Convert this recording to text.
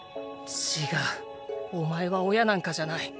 ちがうお前は親なんかじゃない。